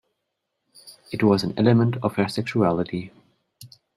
It was an element of her sexuality.